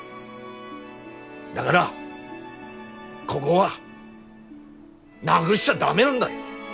だがらこごはなぐしちゃ駄目なんだよ。